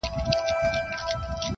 تا ولې د وطن ځمکه لمده کړله په وينو,